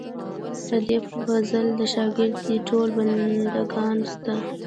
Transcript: په دې فضل دې شاګر دي ټول بندګان ستا.